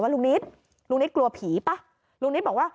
ว่าลุงนิีดกรัวผีป่ะ